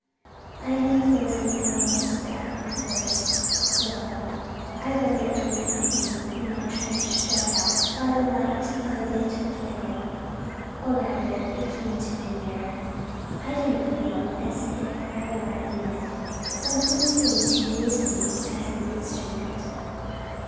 "I'm enclosing a little scrap of verse, Rilla. I wrote it one evening in my trench dug out by the light of a bit of candle or rather it came to me there I didn't feel as if I were writing it something seemed to use me as an instrument.